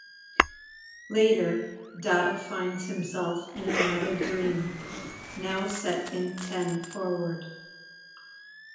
Later, Data finds himself in another dream, now set in Ten-Forward.